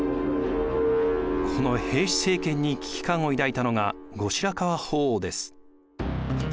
この平氏政権に危機感を抱いたのが後白河法皇です。